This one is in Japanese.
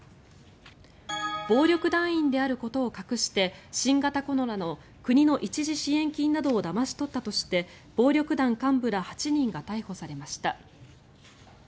暴力団員であることを隠して新型コロナの国の一時支援金などをだまし取ったとして暴力団幹部ら８人が逮捕されました。